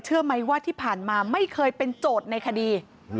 เชื่อไหมว่าที่ผ่านมาไม่เคยเป็นโจทย์ในคดี